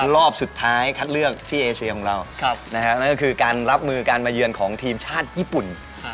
รอบสุดท้ายคัดเลือกที่เอเชียของเรานั่นก็คือการรับมือการมาเยือนของทีมชาติญี่ปุ่น